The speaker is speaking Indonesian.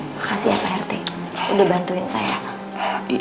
makasih ya pak rt udah bantuin saya